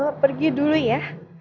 mama pergi dulu ya